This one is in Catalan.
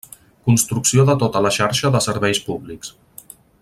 Construcció de tota la xarxa de serveis públics.